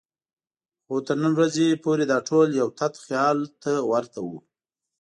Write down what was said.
خو تر نن ورځې پورې دا ټول یو تت خیال ته ورته وو.